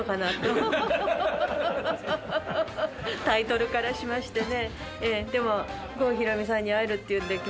タイトルからしましてね。